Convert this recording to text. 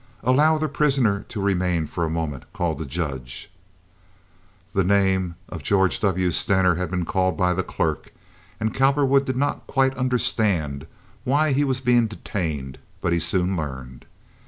"Allow the prisoner to remain for a moment," called the judge. The name, of George W. Stener had been called by the clerk and Cowperwood did not quite understand why he was being detained, but he soon learned.